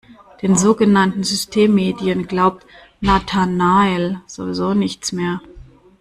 Den sogenannten Systemmedien glaubt Nathanael sowieso nichts mehr.